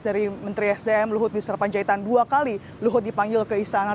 dari menteri sdm luhut misar panjaitan dua kali luhut dipanggil ke istana